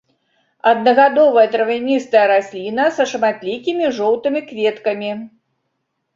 Аднагадовая травяністая расліна са шматлікімі жоўтымі кветкамі.